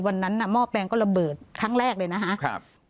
วันนั้นน่ะหม้อแปงก็ระเบิดครั้งแรกเลยนะครับ